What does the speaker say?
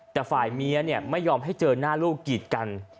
แต่ฝ่ายเมียไม่ยอมให้เจอหน้าลูกกีดกัน